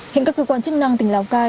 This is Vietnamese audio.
hiện các cơ quan chức năng tỉnh lào cai